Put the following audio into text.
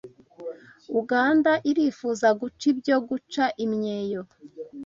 Uganda irifuza guca ibyo guca imyeyo